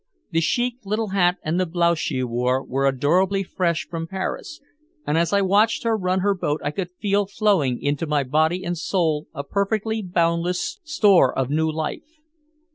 The chic little hat and the blouse she wore were adorably fresh from Paris, and as I watched her run her boat I could feel flowing into my body and soul a perfectly boundless store of new life.